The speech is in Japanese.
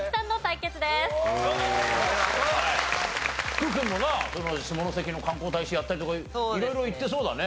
福君もな下関の観光大使やったりとか色々行ってそうだね。